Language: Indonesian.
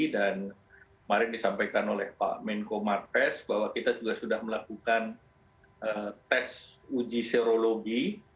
dan kemarin disampaikan oleh pak menko martes bahwa kita juga sudah melakukan tes uji serologi